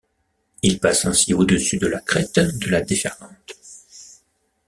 Il passe ainsi au-dessus de la crête de la déferlante.